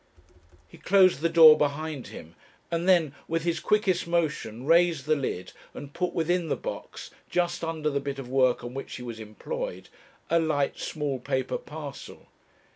He closed the door behind him, and then, with his quickest motion, raised the lid and put within the box, just under the bit of work on which she was employed, a light small paper parcel.